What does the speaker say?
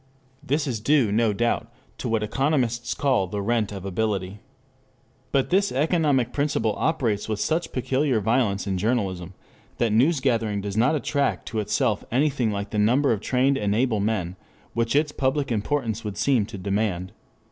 This is due, no doubt, to what economists call the rent of ability. But this economic principle operates with such peculiar violence in journalism that newsgathering does not attract to itself anything like the number of trained and able men which its public importance would seem to demand.